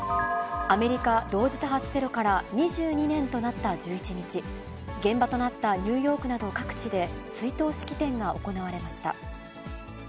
アメリカ同時多発テロから２２年となった１１日、現場となったニューヨークなど各地で追悼式典が行われました。